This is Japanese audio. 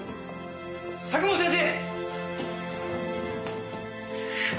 佐久本先生！